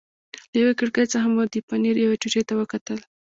له یوې کړکۍ څخه مو د پنیرو یوې ټوټې ته وکتل.